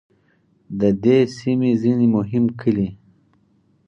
د دې سیمې ځینې مهم کلي